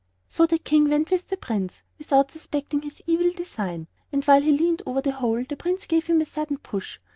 So the King went with the Prince, without suspecting his evil design, and while he leaned over the hole the Prince gave him a sudden push.